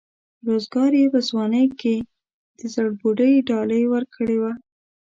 روزګار یې په ځوانۍ کې د زړبودۍ ډالۍ ورکړې وه.